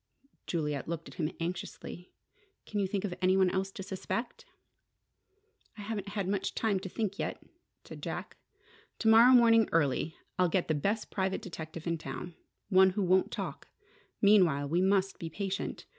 Juliet looked at him anxiously. "Can you think of any one else to suspect?" "I haven't had much time to think yet," said Jack. "To morrow morning early, I'll get the best private detective in town: one who won't talk. Meanwhile, we must be patient.